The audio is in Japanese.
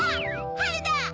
はるだ！